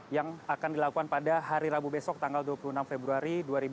yang akan dilakukan pada hari rabu besok tanggal dua puluh enam februari dua ribu dua puluh